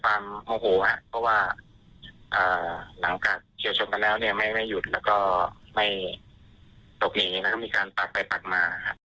มันก็มีการตัดไปตัดมาค่ะ